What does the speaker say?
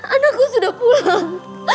anakku sudah pulang